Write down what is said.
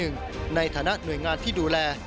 ในฐานะหน่วยงานที่ดูแล